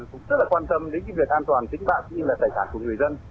cũng rất là quan tâm đến việc an toàn tính mạng tính mạng tài sản của người dân